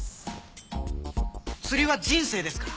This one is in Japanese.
釣りは人生ですから！